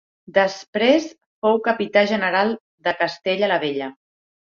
Després fou Capità General de Castella la Vella.